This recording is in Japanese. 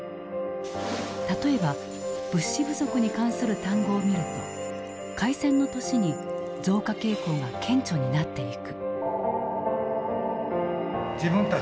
例えば物資不足に関する単語を見ると開戦の年に増加傾向が顕著になっていく。